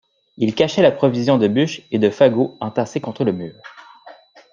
Il cachait la provision de bûches et de fagots entassés contre le mur.